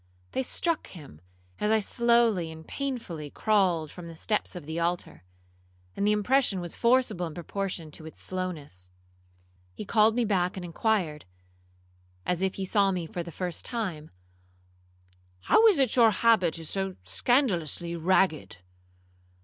They struck him as I slowly and painfully crawled from the steps of the altar, and the impression was forcible in proportion to its slowness. He called me back and inquired, as if he saw me for the first time, 'How is it your habit is so scandalously ragged?'